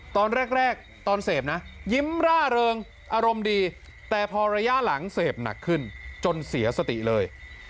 ตอนแรกตอนเสพนะยิ้มร่าเริงอารมณ์ดีแต่พอระยะหลังเสพหนักขึ้นจนเสียสติเลย